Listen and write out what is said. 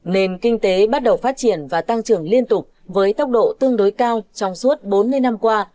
nền kinh tế bắt đầu phát triển và tăng trưởng liên tục với tốc độ tương đối cao trong suốt bốn mươi năm qua